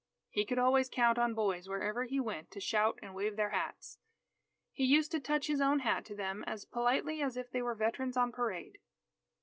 He could always count on boys, wherever he went, to shout and wave their hats. He used to touch his own hat to them as politely as if they were veterans on parade.